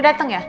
udah dateng ya